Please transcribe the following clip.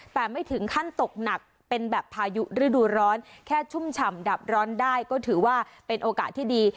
แต่ไม่ถึงขั้นตกหนักเป็นแบบพายุฤดูร้อนแค่ชุ่มฉ่ำดับร้อนได้ก็ถือว่าเป็นโอกาสที่ดี